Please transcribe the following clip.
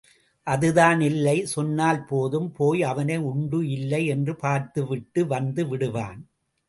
அதுதான் இல்லை சொன்னால் போதும் போய் அவனை உண்டு இல்லை என்று பார்த்து விட்டு வந்து விடுவான்.